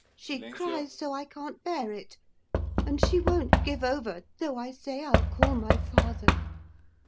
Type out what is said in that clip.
She cries so I can't bear it. And she won't give over, though I say I'll call my father.